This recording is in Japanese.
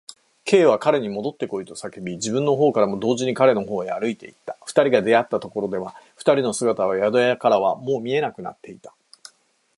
Ｋ は彼にもどってこいと叫び、自分のほうからも同時に彼のほうへ歩いていった。二人が出会ったところでは、二人の姿は宿屋からはもう見えなくなっていた。